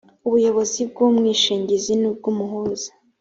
ubuyobozi bw umwishingizi n ubw umuhuza